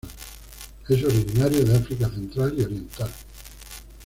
Es originario de África Central y Oriental.